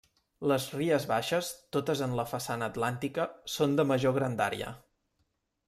Les Ries Baixes, totes en la façana atlàntica, són de major grandària.